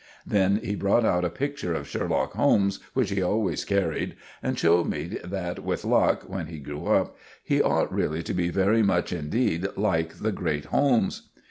Then he brought out a picture of Sherlock Holmes, which he always carried, and showed me that, with luck, when he grew up, he ought really to be very much indeed like the great Holmes.